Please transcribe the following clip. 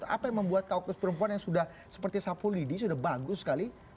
apa yang membuat kaukus perempuan yang sudah seperti sapu lidi sudah bagus sekali